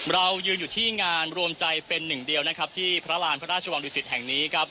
เรายืนอยู่ที่งานรวมใจเป็นหนึ่งเดียวที่พระราชราวราชวงศ์ฤทธิ์เอกแห่งนี้